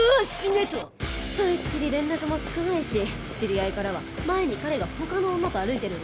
「それっきり連絡もつかないし知り合いからは“前に彼が他の女と歩いてるのを見た”